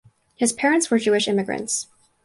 His parents were Jewish immigrants.